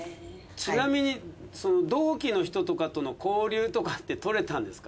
ちなみに同期の人とかとの交流とかって取れたんですか？